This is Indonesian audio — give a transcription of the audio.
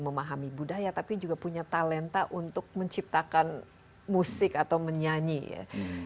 memahami budaya tapi juga punya talenta untuk menciptakan musik atau menyanyi ya